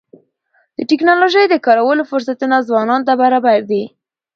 د ټکنالوژۍ د کارولو فرصتونه ځوانانو ته برابر دي.